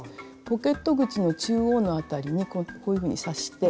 ポケット口の中央の辺りにこういうふうに刺して。